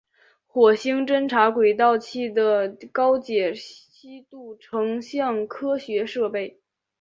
火星侦察轨道器的高解析度成像科学设备。